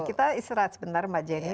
kita istirahat sebentar mbak jenny